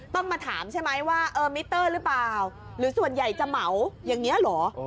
ต้องมาถามใช่ไหมว่าเออมิเตอร์หรือเปล่าหรือส่วนใหญ่จะเหมาอย่างนี้เหรอ